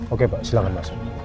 oke pak silahkan masuk